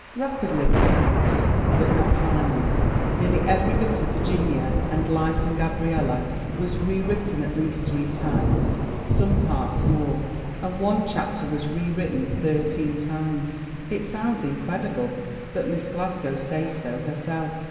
Rapidly, perhaps, but not finally. Nearly every bit of Virginia and Life and Gabriella was rewritten at least three times, some parts more; and one chapter was rewritten thirteen times. It sounds incredible, but Miss Glasgow says so herself.